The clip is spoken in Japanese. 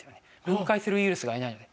分解するウイルスがいないので。